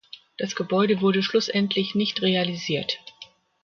Das Gebäude wurde schlussendlich nicht realisiert.